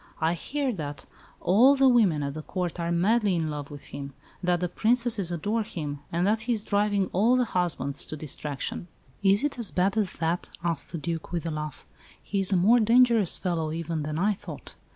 I hear that all the women at the Court are madly in love with him; that the Princesses adore him, and that he is driving all the husbands to distraction." "Is it as bad as that?" asked the Duke, with a laugh. "He is a more dangerous fellow even than I thought.